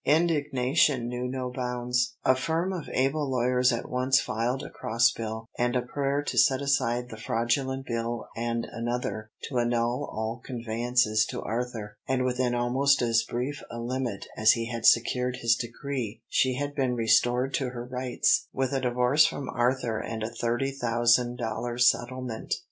Indignation knew no bounds; a firm of able lawyers at once filed a cross bill, and a prayer to set aside the fraudulent bill and another to annul all conveyances to Arthur; and within almost as brief a limit as he had secured his decree she had been restored to her rights with a divorce from Arthur and a thirty thousand dollar settlement.